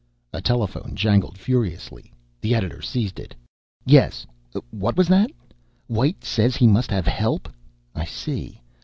A telephone jangled furiously. The editor seized it. "Yes. What was that?... White says he must have help. I see.